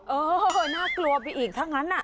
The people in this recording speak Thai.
เออน่ากลัวไปอีกถ้างั้น